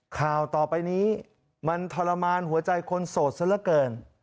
ข่าวต่อไปนี้มันทรมานหัวใจคนโสดซะละเกิน